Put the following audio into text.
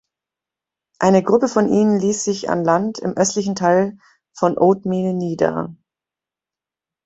Eine Gruppe von ihnen ließ sich an Land im östlichen Teil von Oatmeal nieder.